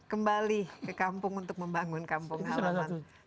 kembali ke kampung untuk membangun kampung halaman